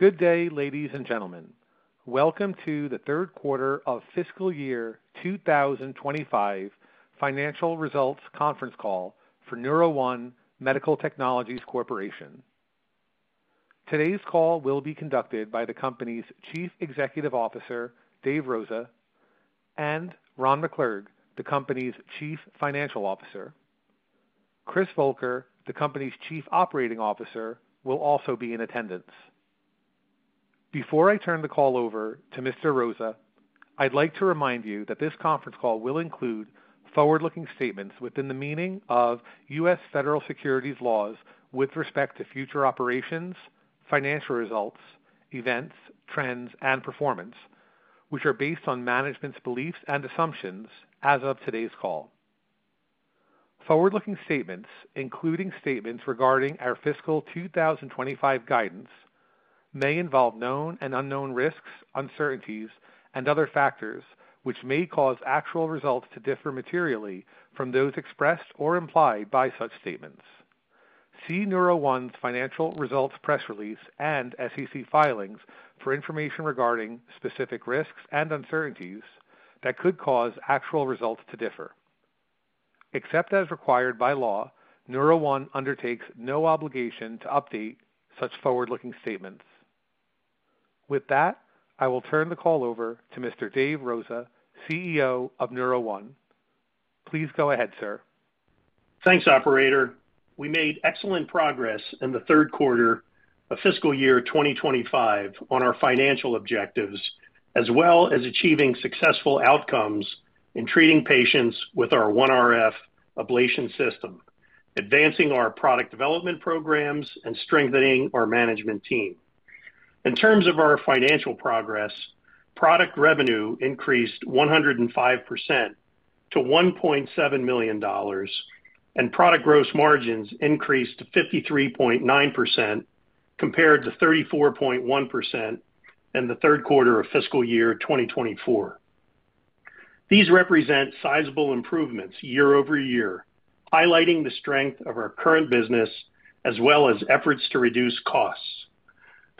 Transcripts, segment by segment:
Good day, ladies and gentlemen. Welcome to the Third Quarter of Fiscal Year 2025 Financial Results Conference Call for NeuroOne Medical Technologies Corporation. Today's call will be conducted by the company's Chief Executive Officer, Dave Rosa, and Ron McClurg, the company's Chief Financial Officer. Chris Volker, the company's Chief Operating Officer, will also be in attendance. Before I turn the call over to Mr. Rosa, I'd like to remind you that this conference call will include forward-looking statements within the meaning of U.S. Federal Securities Laws with respect to future operations, financial results, events, trends, and performance, which are based on management's beliefs and assumptions as of today's call. Forward-looking statements, including statements regarding our fiscal 2025 guidance, may involve known and unknown risks, uncertainties, and other factors which may cause actual results to differ materially from those expressed or implied by such statements. See NeuroOne's financial results press release and SEC filings for information regarding specific risks and uncertainties that could cause actual results to differ. Except as required by law, NeuroOne undertakes no obligation to update such forward-looking statements. With that, I will turn the call over to Mr. Dave Rosa, CEO of NeuroOne. Please go ahead, sir. Thanks, Operator. We made excellent progress in the third quarter of fiscal year 2025 on our financial objectives, as well as achieving successful outcomes in treating patients with our OneRF Ablation System, advancing our product development programs, and strengthening our management team. In terms of our financial progress, product revenue increased 105% to $1.7 million, and product gross margins increased to 53.9% compared to 34.1% in the third quarter of fiscal year 2024. These represent sizable improvements year over year, highlighting the strength of our current business as well as efforts to reduce costs.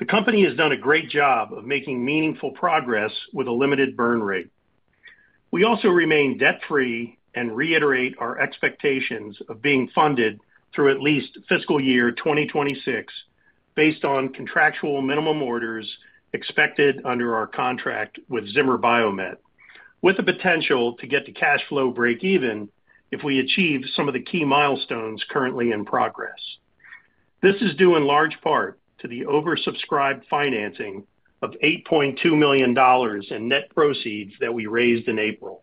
The company has done a great job of making meaningful progress with a limited burn rate. We also remain debt-free and reiterate our expectations of being funded through at least fiscal year 2026 based on contractual minimum orders expected under our contract with Zimmer Biomet, with the potential to get to cash flow break-even if we achieve some of the key milestones currently in progress. This is due in large part to the oversubscribed financing of $8.2 million in net proceeds that we raised in April.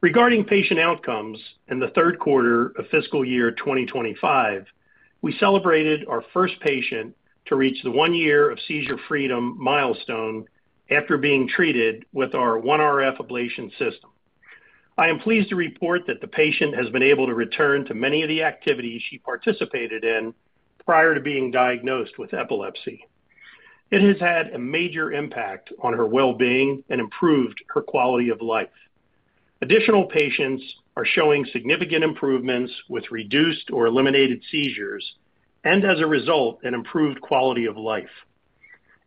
Regarding patient outcomes in the third quarter of fiscal year 2025, we celebrated our first patient to reach the one-year of seizure freedom milestone after being treated with our OneRF Ablation System. I am pleased to report that the patient has been able to return to many of the activities she participated in prior to being diagnosed with epilepsy. It has had a major impact on her well-being and improved her quality of life. Additional patients are showing significant improvements with reduced or eliminated seizures and, as a result, an improved quality of life.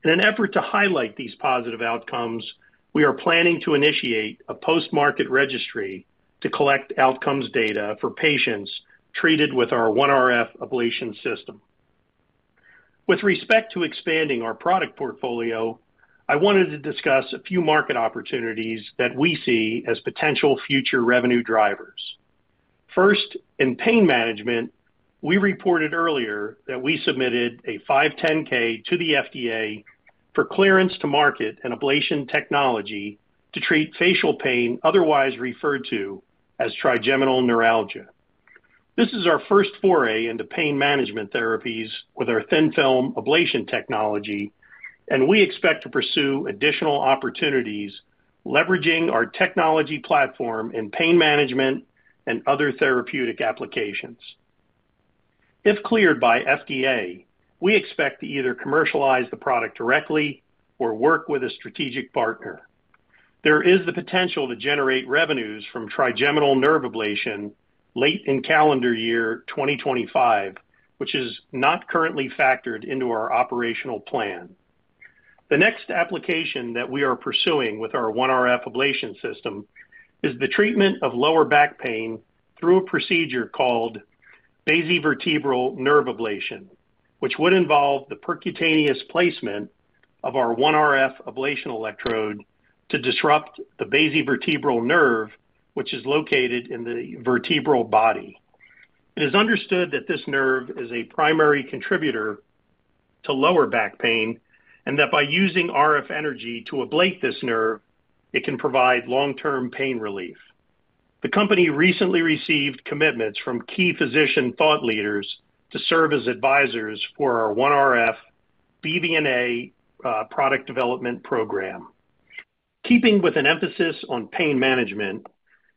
In an effort to highlight these positive outcomes, we are planning to initiate a post-market registry to collect outcomes data for patients treated with our OneRF Ablation System. With respect to expanding our product portfolio, I wanted to discuss a few market opportunities that we see as potential future revenue drivers. First, in pain management, we reported earlier that we submitted a 510(k) to the U.S. FDA for clearance to market an ablation technology to treat facial pain otherwise referred to as trigeminal neuralgia. This is our first foray into pain management therapies with our thin film ablation technology, and we expect to pursue additional opportunities leveraging our technology platform in pain management and other therapeutic applications. If cleared by FDA, we expect to either commercialize the product directly or work with a strategic partner. There is the potential to generate revenues from trigeminal nerve ablation late in calendar year 2025, which is not currently factored into our operational plan. The next application that we are pursuing with our OneRF Ablation System is the treatment of lower back pain through a procedure called Basivertebral Nerve Ablation, which would involve the percutaneous placement of our OneRF ablation electrode to disrupt the basivertebral nerve, which is located in the vertebral body. It is understood that this nerve is a primary contributor to lower back pain and that by using RF energy to ablate this nerve, it can provide long-term pain relief. The company recently received commitments from key physician thought leaders to serve as advisors for our OneRF BVNA product development program. Keeping with an emphasis on pain management,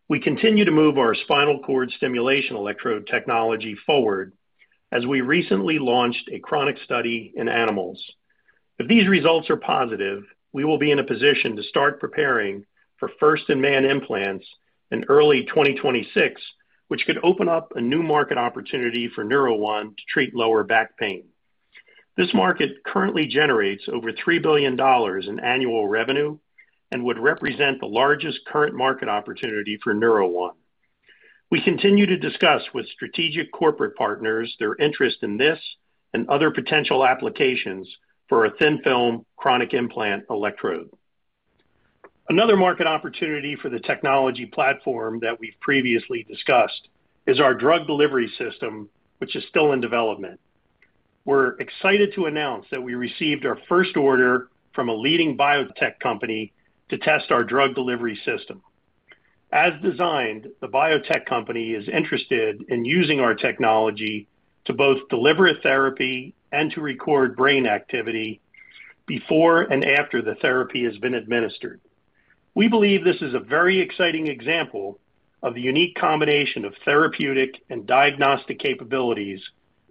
we continue to move our spinal cord stimulation electrode technology forward as we recently launched a chronic study in animals. If these results are positive, we will be in a position to start preparing for first-in-man implants in early 2026, which could open up a new market opportunity for NeuroOne to treat lower back pain. This market currently generates over $3 billion in annual revenue and would represent the largest current market opportunity for NeuroOne. We continue to discuss with strategic corporate partners their interest in this and other potential applications for a thin film chronic implant electrode. Another market opportunity for the technology platform that we've previously discussed is our drug delivery system, which is still in development. We're excited to announce that we received our first order from a leading biotech company to test our drug delivery system. As designed, the biotech company is interested in using our technology to both deliver a therapy and to record brain activity before and after the therapy has been administered. We believe this is a very exciting example of the unique combination of therapeutic and diagnostic capabilities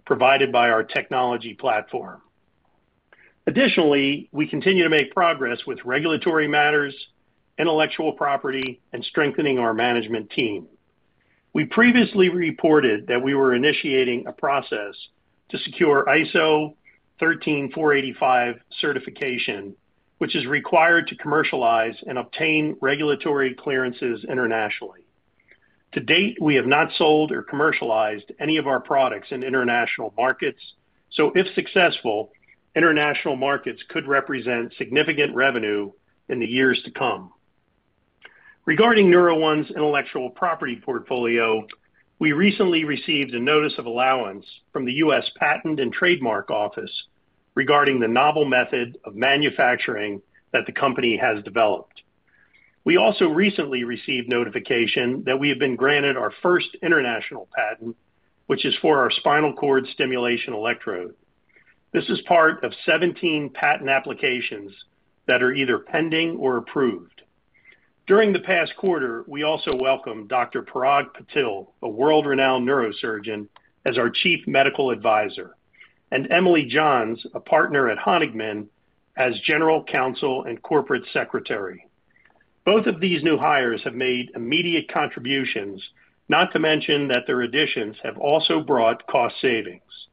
provided by our technology platform. Additionally, we continue to make progress with regulatory matters, intellectual property, and strengthening our management team. We previously reported that we were initiating a process to secure ISO 13485 certification, which is required to commercialize and obtain regulatory clearances internationally. To date, we have not sold or commercialized any of our products in international markets, so if successful, international markets could represent significant revenue in the years to come. Regarding NeuroOne's intellectual property portfolio, we recently received a notice of allowance from the U.S. Patent and Trademark Office regarding the novel method of manufacturing that the company has developed. We also recently received notification that we have been granted our first international patent, which is for our spinal cord stimulation electrode. This is part of 17 patent applications that are either pending or approved. During the past quarter, we also welcomed Dr. Parag Patil, a world-renowned neurosurgeon, as our Chief Medical Advisor, and Emily Johns, a partner at Honigman, as General Counsel and Corporate Secretary. Both of these new hires have made immediate contributions, not to mention that their additions have also brought cost savings.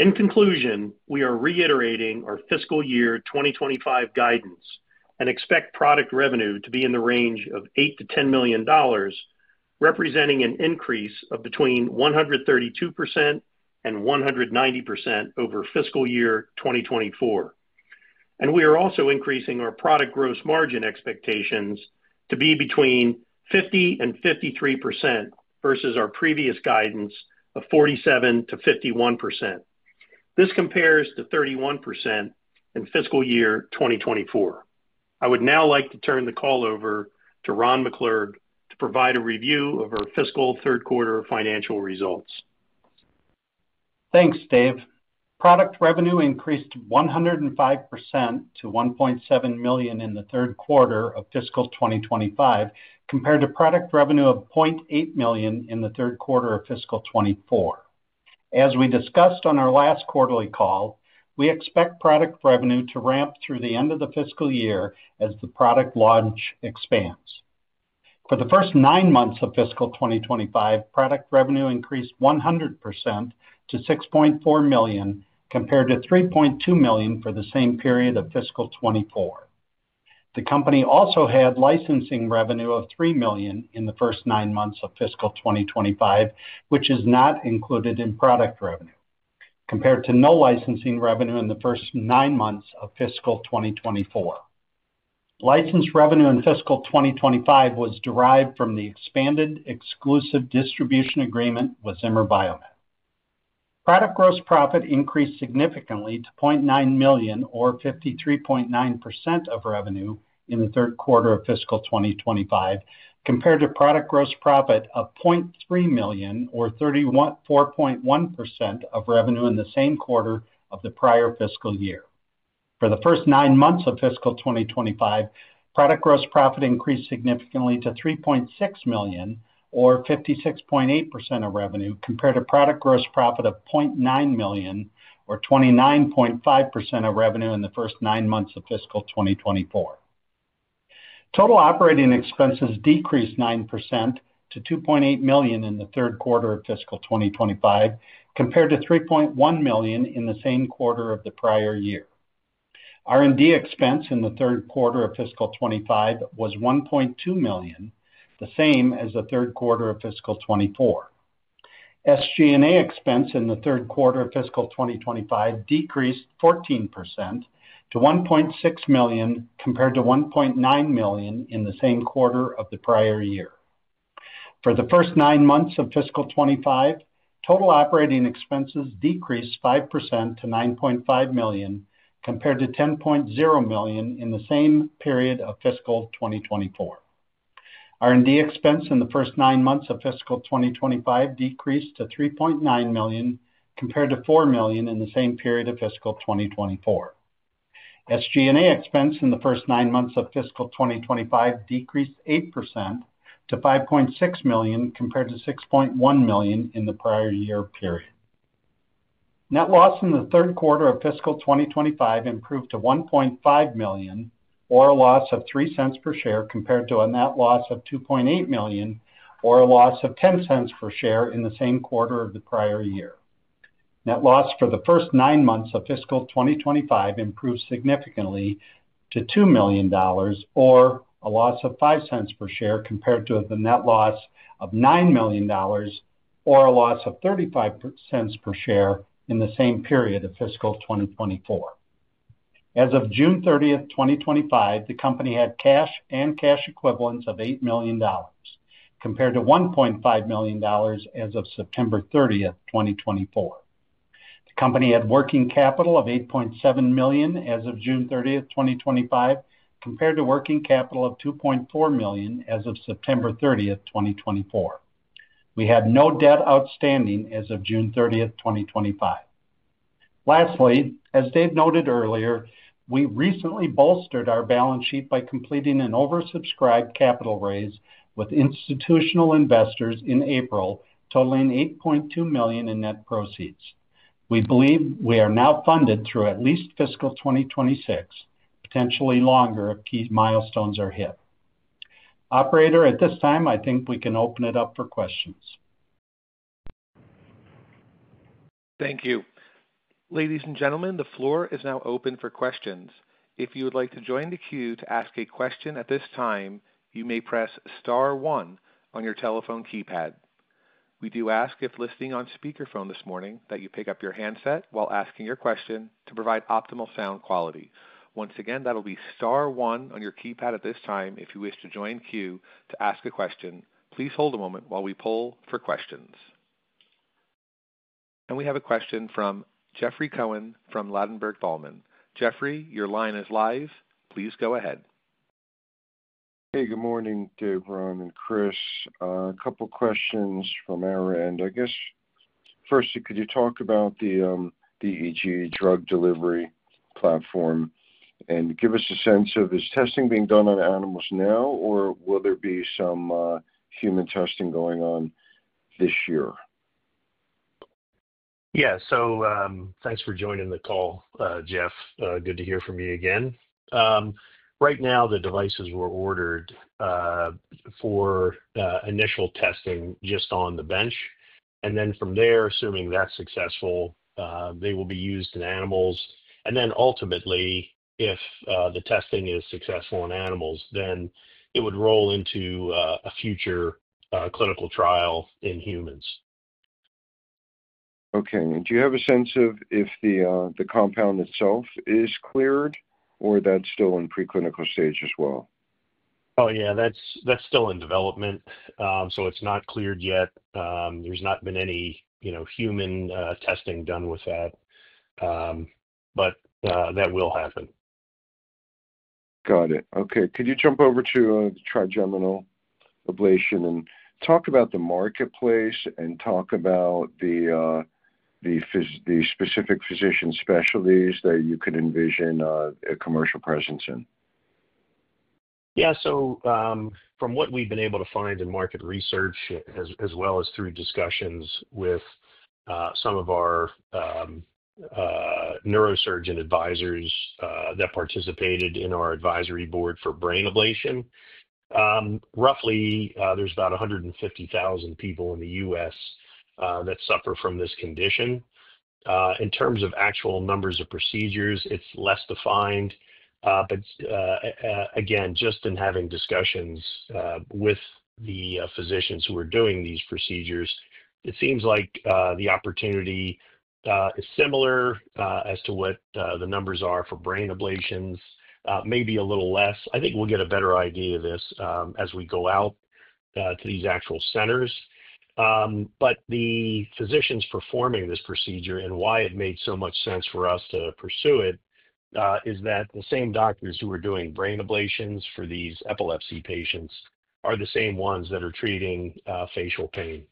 In conclusion, we are reiterating our fiscal year 2025 guidance and expect product revenue to be in the range of $8 million-$10 million, representing an increase of between 132% and 190% over fiscal year 2024. We are also increasing our product gross margin expectations to be between 50% and 53% versus our previous guidance of 47%-51%. This compares to 31% in fiscal year 2024. I would now like to turn the call over to Ron McClurg to provide a review of our fiscal third quarter financial results. Thanks, Dave. Product revenue increased 105% to $1.7 million in the third quarter of fiscal 2025 compared to product revenue of $0.8 million in the third quarter of fiscal 2024. As we discussed on our last quarterly call, we expect product revenue to ramp through the end of the fiscal year as the product launch expands. For the first nine months of fiscal 2025, product revenue increased 100% to $6.4 million compared to $3.2 million for the same period of fiscal 2024. The company also had licensing revenue of $3 million in the first nine months of fiscal 2025, which is not included in product revenue, compared to no licensing revenue in the first nine months of fiscal 2024. License revenue in fiscal 2025 was derived from the expanded exclusive distribution agreement with Zimmer Biomet. Product gross profit increased significantly to $0.9 million, or 53.9% of revenue in the third quarter of fiscal 2025, compared to product gross profit of $0.3 million, or 34.1% of revenue in the same quarter of the prior fiscal year. For the first nine months of fiscal 2025, product gross profit increased significantly to $3.6 million, or 56.8% of revenue, compared to product gross profit of $0.9 million, or 29.5% of revenue in the first nine months of fiscal 2024. Total operating expenses decreased 9% to $2.8 million in the third quarter of fiscal 2025, compared to $3.1 million in the same quarter of the prior year. R&D expense in the third quarter of fiscal 2025 was $1.2 million, the same as the third quarter of fiscal 2024. SG&A expense in the third quarter of fiscal 2025 decreased 14% to $1.6 million, compared to $1.9 million in the same quarter of the prior year. For the first nine months of fiscal 2025, total operating expenses decreased 5% to $9.5 million, compared to $10.0 million in the same period of fiscal 2024. R&D expense in the first nine months of fiscal 2025 decreased to $3.9 million, compared to $4 million in the same period of fiscal 2024. SG&A expense in the first nine months of fiscal 2025 decreased 8% to $5.6 million, compared to $6.1 million in the prior year period. Net loss in the third quarter of fiscal 2025 improved to $1.5 million, or a loss of $0.03 per share, compared to a net loss of $2.8 million, or a loss of $0.10 per share in the same quarter of the prior year. Net loss for the first nine months of fiscal 2025 improved significantly to $2 million, or a loss of $0.05 per share, compared to the net loss of $9 million, or a loss of $0.35 per share in the same period of fiscal 2024. As of June 30th, 2025, the company had cash and cash equivalents of $8 million, compared to $1.5 million as of September 30, 2024. The company had working capital of $8.7 million as of June 30th, 2025, compared to working capital of $2.4 million as of September 30th, 2024. We had no debt outstanding as of June 30th, 2025. Lastly, as Dave noted earlier, we recently bolstered our balance sheet by completing an oversubscribed capital raise with institutional investors in April, totaling $8.2 million in net proceeds. We believe we are now funded through at least fiscal 2026, potentially longer if key milestones are hit. Operator, at this time, I think we can open it up for questions. Thank you. Ladies and gentlemen, the floor is now open for questions. If you would like to join the queue to ask a question at this time, you may press star one on your telephone keypad. We do ask if listening on speakerphone this morning that you pick up your handset while asking your question to provide optimal sound quality. Once again, that'll be star one on your keypad at this time if you wish to join the queue to ask a question. Please hold a moment while we poll for questions. We have a question from Jeffrey Cohen from Ladenburg Thalmann. Jeffrey, your line is live. Please go ahead. Hey, good morning, Dave, Ron, and Chris. A couple of questions from our end. I guess firstly, could you talk about the sEEG-based drug delivery system and give us a sense of is testing being done on animals now or will there be some human testing going on this year? Thanks for joining the call, Jeff. Good to hear from you again. Right now, the devices were ordered for initial testing just on the bench. From there, assuming that's successful, they will be used in animals. Ultimately, if the testing is successful in animals, then it would roll into a future clinical trial in humans. Okay. Do you have a sense of if the compound itself is cleared, or that's still in preclinical stage as well? Yeah, that's still in development. It's not cleared yet. There's not been any, you know, human testing done with that. That will happen. Got it. Okay. Could you jump over to trigeminal ablation and talk about the marketplace and talk about the specific physician specialties that you could envision a commercial presence in? Yeah, from what we've been able to find in market research as well as through discussions with some of our neurosurgeon advisors that participated in our advisory board for brain ablation, roughly there's about 150,000 people in the U.S. that suffer from this condition. In terms of actual numbers of procedures, it's less defined. Just in having discussions with the physicians who are doing these procedures, it seems like the opportunity is similar as to what the numbers are for brain ablations, maybe a little less. I think we'll get a better idea of this as we go out to these actual centers. The physicians performing this procedure and why it made so much sense for us to pursue it is that the same doctors who are doing brain ablations for these epilepsy patients are the same ones that are treating facial pain.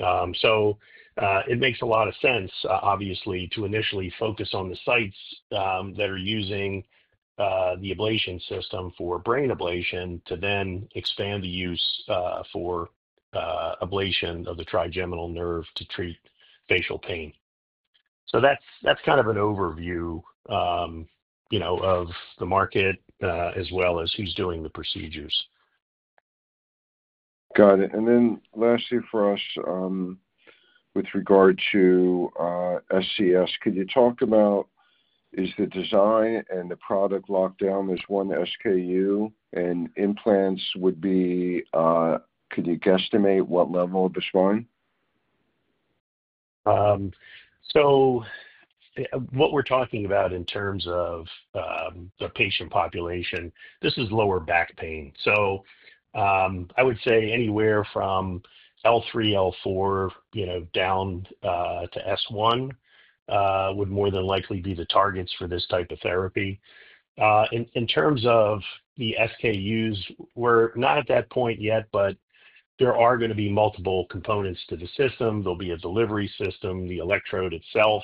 It makes a lot of sense, obviously, to initially focus on the sites that are using the ablation system for brain ablation to then expand the use for ablation of the trigeminal nerve to treat facial pain. That's kind of an overview, you know, of the market as well as who's doing the procedures. Got it. Lastly for us, with regard to SCS, could you talk about is the design and the product locked down as one SKU and implants would be, could you guesstimate what level of the spine? What we're talking about in terms of the patient population, this is lower back pain. I would say anywhere from L3, L4, down to S1 would more than likely be the targets for this type of therapy. In terms of the SKUs, we're not at that point yet, but there are going to be multiple components to the system. There'll be a delivery system, the electrode itself.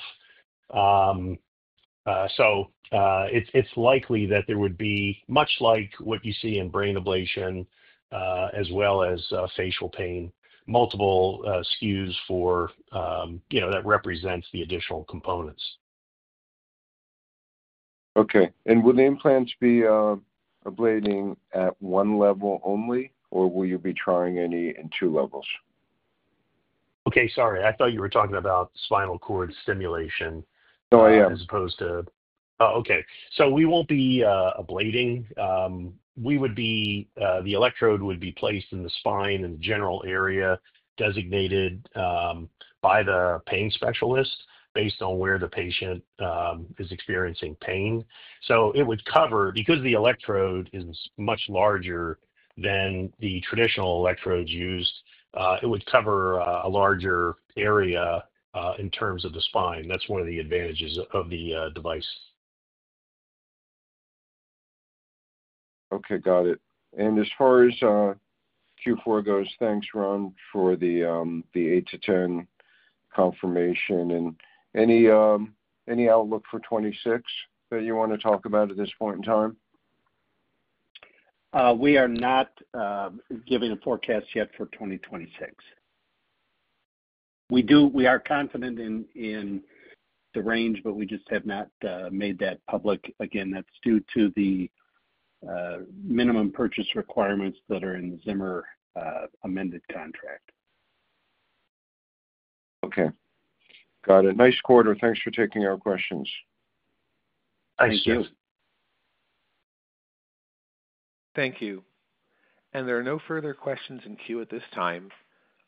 It's likely that there would be, much like what you see in brain ablation as well as facial pain, multiple SKUs that represent the additional components. Okay. Will the implants be ablating at one level only, or will you be trying any in two levels? Okay, sorry. I thought you were talking about spinal cord stimulation. Oh, I am. Okay. We won't be ablating. The electrode would be placed in the spine in the general area designated by the pain specialist based on where the patient is experiencing pain. It would cover, because the electrode is much larger than the traditional electrodes used, a larger area in terms of the spine. That's one of the advantages of the device. Okay, got it. As far as Q4 goes, thanks, Ron, for the 8 to 10 confirmation. Any outlook for 2026 that you want to talk about at this point in time? We are not giving a forecast yet for 2026. We are confident in the range, but we just have not made that public. Again, that's due to the minimum purchase requirements that are in the Zimmer amended contract. Okay. Got it. Nice quarter. Thanks for taking our questions. Thanks, Jeff. Thanks, Jeff Thank you. There are no further questions in queue at this time.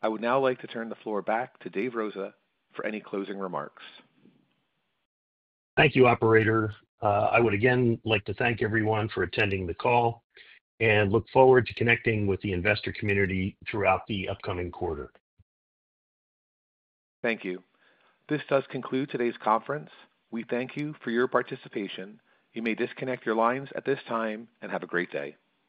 I would now like to turn the floor back to Dave Rosa for any closing remarks. Thank you, Operator. I would again like to thank everyone for attending the call and look forward to connecting with the investor community throughout the upcoming quarter. Thank you. This does conclude today's conference. We thank you for your participation. You may disconnect your lines at this time and have a great day.